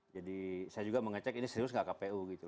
jadi saya juga mengecek ini serius enggak kpu gitu